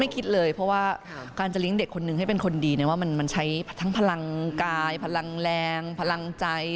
คิดเลยเพราะว่าการจะเลี้ยงเด็กคนนึงให้เป็นคนดีว่ามันใช้ทั้งพลังกายพลังแรงพลังใจ